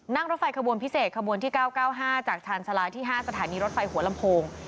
นั่งรถไฟขบวนพิเศษขบวนที่๙๙๕จากชาญชาลาที่๕สถานีรถไฟหัวลำโพง